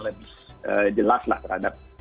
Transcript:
lebih jelas lah terhadap